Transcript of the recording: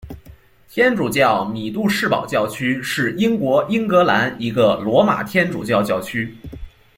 天主教米杜士堡教区是英国英格兰一个罗马天主教教区。